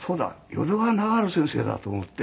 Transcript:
淀川長治先生だ！と思って。